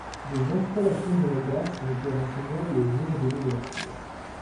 Les installations de la gare sont opérationnelles le jour de l'ouverture.